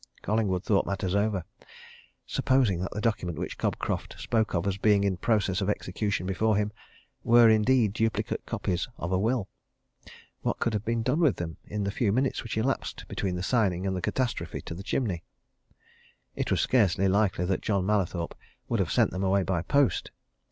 Collingwood thought matters over. Supposing that the document which Cobcroft spoke of as being in process of execution before him were indeed duplicate copies of a will. What could have been done with them, in the few minutes which elapsed between the signing and the catastrophe to the chimney? It was scarcely likely that John Mallathorpe would have sent them away by post.